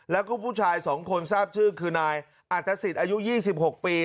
แล้วก็ผู้ชาย๒คนทราบชื่อคือนายอาตศิษย์อายุ๒๖ปี